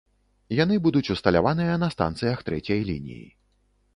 Яны будуць усталяваныя на станцыях трэцяй лініі.